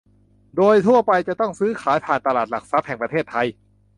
โดยทั่วไปจะต้องซื้อขายผ่านตลาดหลักทรัพย์แห่งประเทศไทย